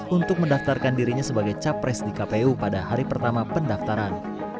untuk mendaftarkan dirinya sebagai capres di kpu pada hari pertama pendaftaran